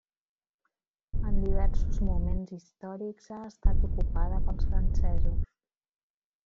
En diversos moments històrics ha estat ocupada pels francesos.